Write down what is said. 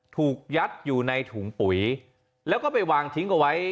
ถูกยัดอยู่ในถุงปุ๋ยแล้วก็ไปวางทิ้งเอาไว้